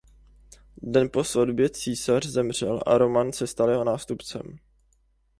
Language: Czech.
Den po svatbě císař zemřel a Roman se stal jeho nástupcem.